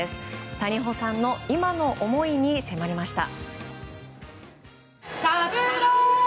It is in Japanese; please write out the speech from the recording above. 谷保さんの今の思いに迫りました。